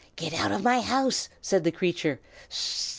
"'Get out of my house!' said the creature.